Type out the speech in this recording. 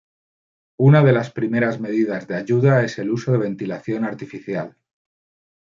Una de las primeras medidas de ayuda es el uso de ventilación artificial.